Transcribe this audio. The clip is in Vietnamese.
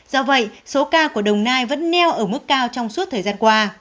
do vậy số ca của đồng nai vẫn neo ở mức cao trong suốt thời gian qua